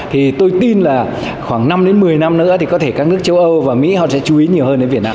thì tôi tin là khoảng năm đến một mươi năm nữa thì có thể các nước châu âu và mỹ họ sẽ chú ý nhiều hơn đến việt nam